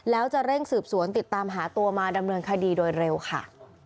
แล้วจะเร่งสืบสวนติดตามหาตัวมาดำเนินคดีโดยเร็วค่ะ